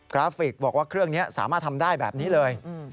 ราฟิกบอกว่าเครื่องนี้สามารถทำได้แบบนี้เลย